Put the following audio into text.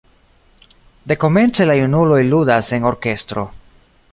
Dekomence la junuloj ludas en orkestro.